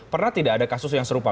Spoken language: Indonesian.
pernah tidak ada kasus yang serupa